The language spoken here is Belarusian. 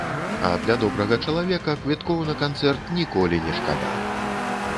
А для добрага чалавека квіткоў на канцэрт ніколі не шкада!